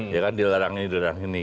ya kan dilarang ini dilarang ini